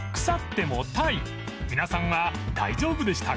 皆さんは大丈夫でしたか？